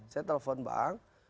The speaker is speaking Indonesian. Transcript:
saya telepon bang